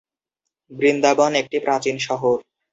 বৃন্দাবন একটি প্রাচীন শহর।